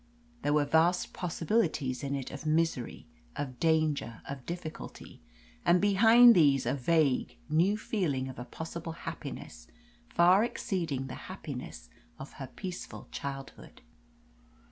There were vast possibilities in it of misery, of danger, of difficulty; and behind these a vague, new feeling of a possible happiness far exceeding the happiness of her peaceful childhood.